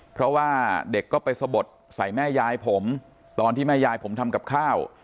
เพราะว่าเด็กก็ไปสะบดใส่แม่ยายผมตอนที่แม่ยายผมทำกับข้าว